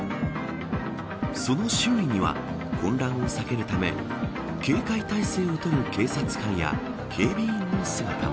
その周囲には混乱を避けるため警戒態勢を取る警察官や警備員の姿も。